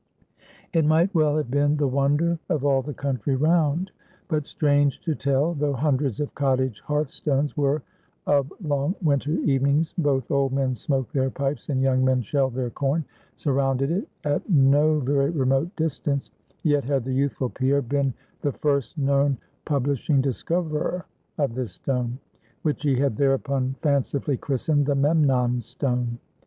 It might well have been the wonder of all the country round. But strange to tell, though hundreds of cottage hearthstones where, of long winter evenings, both old men smoked their pipes and young men shelled their corn surrounded it, at no very remote distance, yet had the youthful Pierre been the first known publishing discoverer of this stone, which he had thereupon fancifully christened the Memnon Stone.